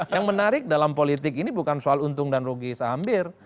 yang menarik dalam politik ini bukan soal untung dan rugi sehambir